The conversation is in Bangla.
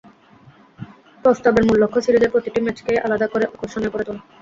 প্রস্তাবের মূল লক্ষ্য, সিরিজের প্রতিটি ম্যাচকেই আলাদা করে আকর্ষণীয় করে তোলা।